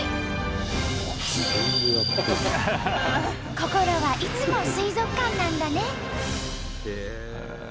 心はいつも水族館なんだね！